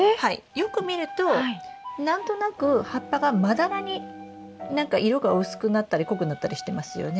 よく見るとなんとなく葉っぱがまだらに何か色が薄くなったり濃くなったりしてますよね？